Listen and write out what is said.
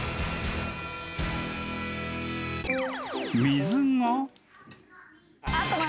［水が］